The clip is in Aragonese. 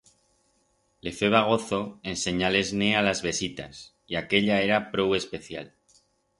Le feba gozo ensenyar-les-ne a las vesitas, y aquella era prou especial.